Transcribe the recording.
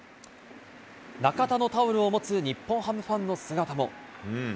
中田のタオルを持つ日本ハムファンの姿も。